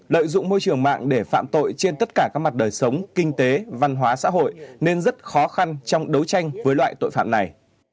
lợi dụng môi trường mạng để phạm tội trên tất cả các mặt đời sống kinh tế văn hóa xã hội nên rất khó khăn trong đấu tranh với loại tội phạm này